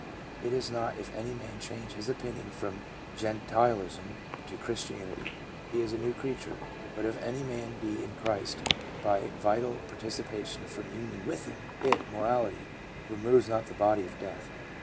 .... It is not if any man change his opinion from gentilism to Christianity, he is a new creature; but if any man be in Christ by a vital participation from union with Him It [morality] removes not the body of death.